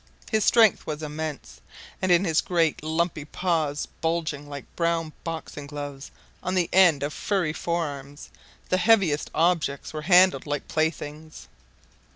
His strength was immense; and in his great lumpy paws, bulging like brown boxing gloves on the end of furry forearms, the heaviest objects were handled like playthings.